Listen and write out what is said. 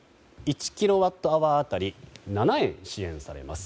１キロワットアワー当たり７円支援されます。